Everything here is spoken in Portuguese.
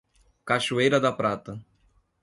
Cachoeira da Prata